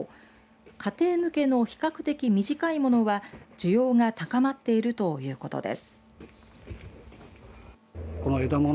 家庭向けの比較的短いものは需要が高まっているということです。